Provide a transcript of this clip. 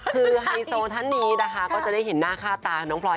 คือไฮโซท่านนี้นะคะก็จะได้เห็นหน้าค่าตาของน้องพลอย